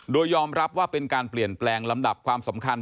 โดยยอมรับว่าเป็นการเปลี่ยนแปลงลำดับความสำคัญ